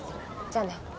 じゃあね。